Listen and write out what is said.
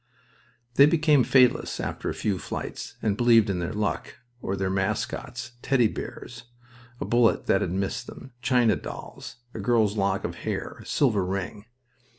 They became fatalists after a few fights, and believed in their luck, or their mascots teddy bears, a bullet that had missed them, china dolls, a girl's lock of hair, a silver ring.